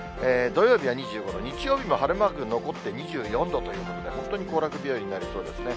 土曜日は２５度、日曜日も晴れマーク残って２４度ということで、本当に行楽日和になりそうですね。